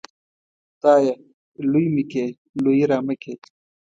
خدايه! لوى مې کې ، لويي رامه کې.